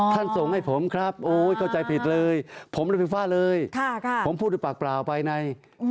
ส่งให้ผมครับโอ้ยเข้าใจผิดเลยผมหรือไฟฟ้าเลยผมพูดด้วยปากเปล่าไปใน